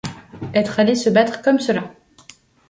Être allé se battre comme cela!